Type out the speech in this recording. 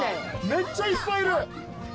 めっちゃいっぱいいる。